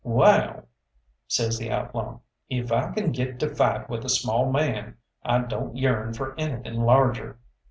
"Wall," says the outlaw, "if I kin get to fight with a small man, I don't yearn for anything larger.